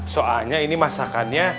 soalnya ini masakannya